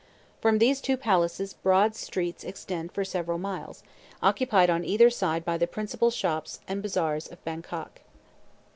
From these two palaces broad streets extend for several miles, occupied on either side by the principal shops and bazaars of Bangkok.